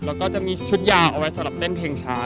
แล้วก็จะมีชุดยาวเอาไว้สำหรับเต้นเพลงช้า